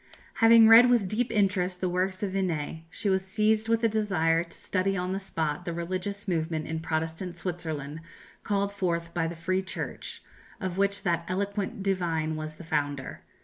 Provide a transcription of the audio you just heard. Having read with deep interest the works of Vinet, she was seized with a desire to study on the spot the religious movement in Protestant Switzerland called forth by the "Free Church," of which that eloquent divine was the founder.